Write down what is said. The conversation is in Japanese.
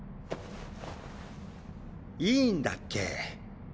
いいんだっけ？